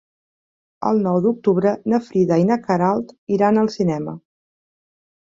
El nou d'octubre na Frida i na Queralt iran al cinema.